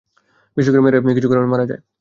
বিশেষ করে মেয়েরা, কিছু কারণে মারা যায়।